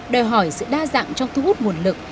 đòi hỏi sự đa dạng trong thu hút nguồn lực